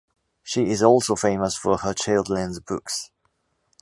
She is also famous for her children’s books.